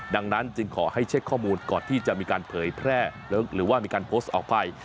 ดังนั้นจึงขอให้เช็คข้อมูลก่อนที่จะมีการเผยแพร่หรือว่ามีการโพสต์ออกไป